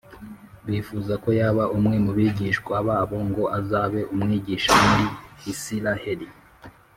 Bifuza ko yaba umwe mubigishwa babo, ngo azabe umwigisha muri Isiraheli.